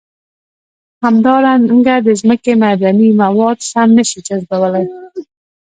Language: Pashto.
همدارنګه د ځمکې معدني مواد سم نه شي جذبولی.